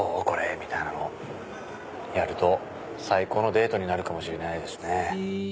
みたいなのをやると最高のデートになるかもしれないですね。